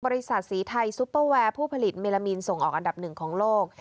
บริษัทสีไทยซุปเปอร์แวร์ผู้ผลิตเมลามีนส่งออกอันดับหนึ่งของโลก